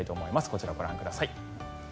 こちらご覧ください。